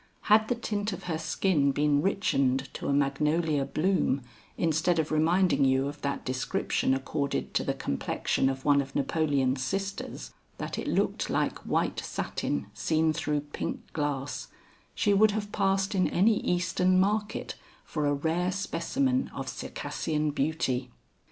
Had the tint of her skin been richened to a magnolia bloom instead of reminding you of that description accorded to the complexion of one of Napoleon's sisters, that it looked like white satin seen through pink glass, she would have passed in any Eastern market, for a rare specimen of Circassian beauty.